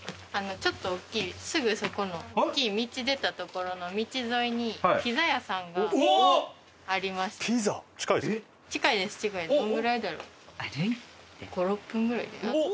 ちょっと大きいすぐそこの大きい道出た所の道沿いにピザ屋さんがありまして。